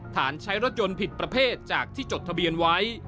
ฐานใช้รถยนต์ผิดประเภทจากที่จดทะเบียนไว้